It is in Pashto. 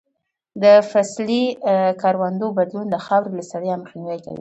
د فصلي کروندو بدلون د خاورې له ستړیا مخنیوی کوي.